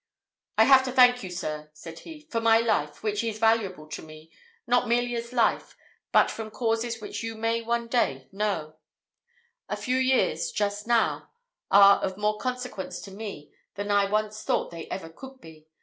"I have to thank you, sir," said he, "for my life, which is valuable to me, not merely as life, but from causes which you may one day know; a few years, just now, are of more consequence to me than I once thought they ever could be.